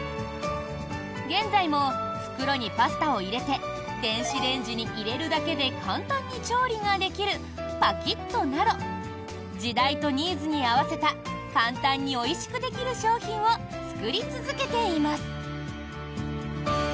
現在も、袋にパスタを入れて電子レンジに入れるだけで簡単に調理ができるパキットなど時代とニーズに合わせた簡単においしくできる商品を作り続けています。